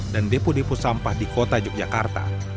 dan depo depo sampah di kota yogyakarta